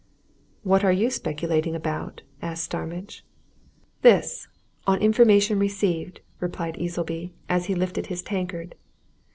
"What are you speculating about?" asked Starmidge. "This on information received," replied Easleby, as he lifted his tankard.